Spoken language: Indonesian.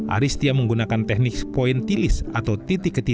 arie setia menggunakan teknik pointillis atau titik ke titik